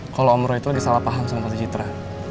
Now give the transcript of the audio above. kalau om roy itu lagi salah paham sama tante citra